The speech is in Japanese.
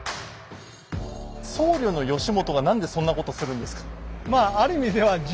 僧侶の義元が何でそんなことするんですか？